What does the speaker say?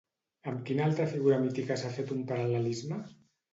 Amb quina altra figura mítica s'ha fet un paral·lelisme?